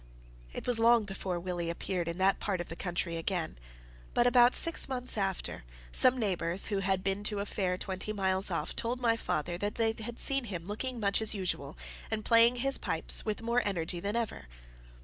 It was long before Willie appeared in that part of the country again; but, about six months after, some neighbours who had been to a fair twenty miles off, told my father that they had seen him looking much as usual, and playing his pipes with more energy than ever.